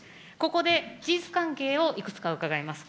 ここで事実関係をいくつか伺います。